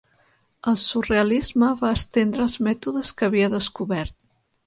El surrealisme va estendre els mètodes que havia descobert.